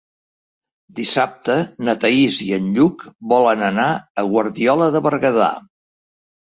Dissabte na Thaís i en Lluc volen anar a Guardiola de Berguedà.